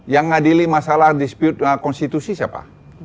yang ngadili masalah dispute konstitusi siapa